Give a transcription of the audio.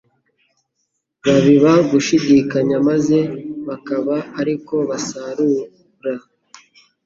Babiba gushidikanya maze bakaba ari ko basarura.